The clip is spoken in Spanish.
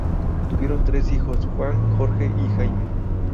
Tuvieron tres hijos: Juan, Jorge y Jaime.